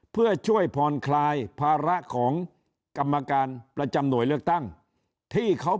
เพื่อช่วยผ่อนคลายภาระของกรรมการประจำหน่วยเลือกตั้งที่เขา